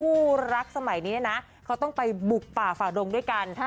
คู่รักสมัยนี้นะเขาต้องไปบุกป่าฝ่าดงด้วยกัน